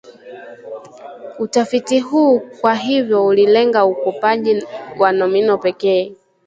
Utafiti huu kwa hivyo ulilenga ukopaji wa nomino pekee